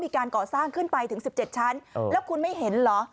มีการก่อสร้างขึ้นไปถึง๑๗ชั้นแล้วคุณไม่เห็นเหรอ